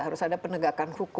harus ada penegakan hukum